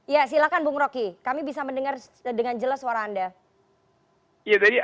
ya silahkan bung roky kami bisa mendengar dengan jelas suara anda